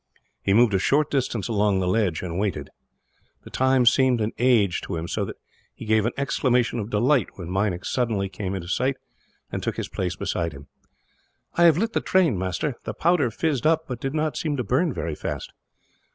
He moved a short distance along the ledge, and waited. The time seemed an age to him, so that he gave an exclamation of delight when Meinik suddenly came into sight, and took his place beside him. "I have lit the train, master. The powder fizzed up, but did not seem to burn very fast."